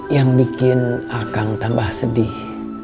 yang bikin akan tambah sedih